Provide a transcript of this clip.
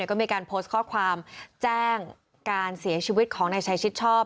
ก็มีการโพสต์ข้อความแจ้งการเสียชีวิตของนายชัยชิดชอบ